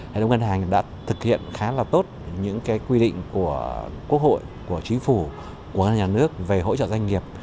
hệ thống ngân hàng đã thực hiện khá là tốt những quy định của quốc hội của chính phủ của nhà nước về hỗ trợ doanh nghiệp